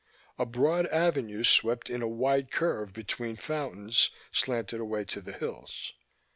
A broad avenue swept in a wide curve between fountains, slanted away to the hills.